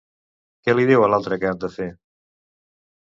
Què li diu a l'altre que han de fer?